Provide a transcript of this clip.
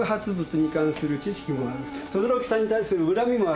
等々力さんに対する恨みもある。